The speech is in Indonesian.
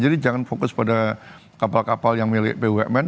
jadi jangan fokus pada kapal kapal yang milik pwmn